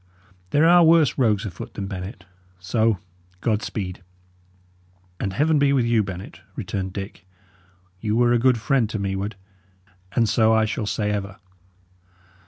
There are worse rogues afoot than Bennet. So, God speed!" "And Heaven be with you, Bennet!" returned Dick. "Ye were a good friend to me ward, and so I shall say ever."